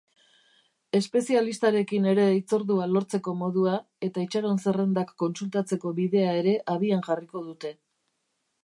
Espezialistarekin ere hitzordua lortzeko modua eta itxaron-zerrendak kontsultatzeko bidea ere abian jarriko dute.